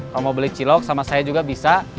kalau mau beli cilok sama saya juga bisa